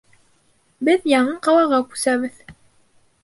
Беҙ яңы ҡалаға күсәбеҙ.